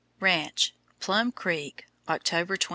RANCH, PLUM CREEK, October 24.